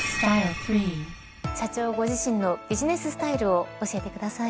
社長ご自身のビジネススタイルを教えてください。